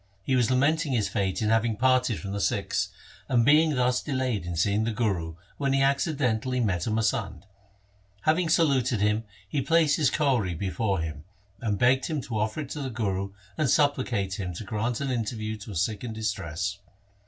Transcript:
He was lamenting his fate in having parted from the Sikhs, and being thus delayed in seeing the Guru, when he accidentally met a masand. Having saluted him he placed his kauri before him, and begged him to offer it to the Guru and supplicate him to grant an interview to a Sikh in distress.